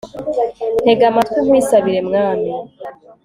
ntega amatwi nkwisabire, mwami